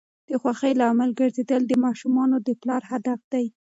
د خوښۍ لامل ګرځیدل د ماشومانو د پلار هدف دی.